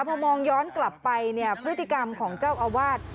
พอมองย้อนกลับไปเนี่ยพฤติกรรมของเจ้าอาวาส